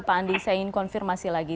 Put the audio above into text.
pak andi saya ingin konfirmasi lagi